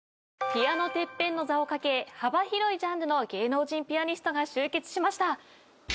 ピアノＴＥＰＰＥＮの座を懸け幅広いジャンルの芸能人ピアニストが集結しました。